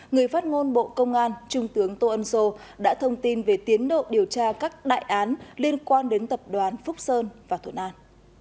người phát ngôn bộ công an trung tướng tô ân sô đã thông tin về tiến độ điều tra các đại án liên quan đến tập đoán phúc sơn và thuận an